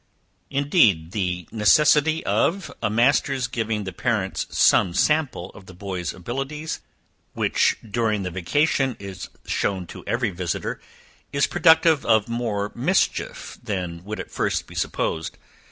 Indeed, the necessity of a master's giving the parents some sample of the boy's abilities, which during the vacation, is shown to every visiter, is productive of more mischief than would at first be supposed.